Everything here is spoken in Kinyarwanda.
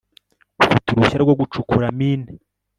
ufite uruhushya rwo gucukura mine